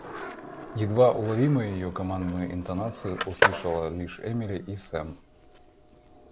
Едва уловимую её командную интонацию услышала лишь Эмили и Сэм.